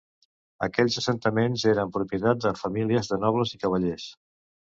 Aquells assentaments eren propietats de famílies de nobles i cavallers.